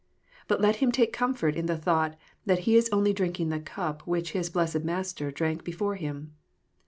But let him take comfort in the thought that he is only drinking the cup which his blessed Master drank before him.